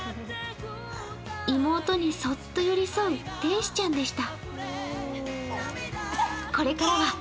妹にそっと寄り添う天使ちゃんでした。